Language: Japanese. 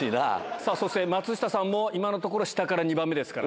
さあ、そして松下さんも、今のところ、下から２番目ですから。